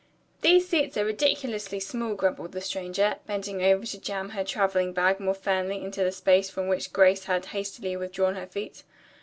"These seats are ridiculously small," grumbled the stranger, bending over to jam her traveling bag more firmly into the space from which Grace had hastily withdrawn her feet.